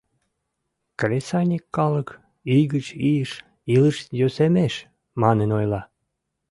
Кресаньык калык «ий гыч ийыш илыш йӧсемеш» манын ойла...